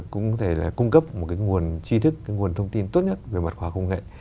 cũng có thể là cung cấp một cái nguồn tri thức nguồn thông tin tốt nhất về mật khoa công nghệ